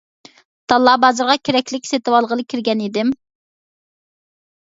تاللا بازىرىغا كېرەكلىك سېتىۋالغىلى كىرگەن ئىدىم.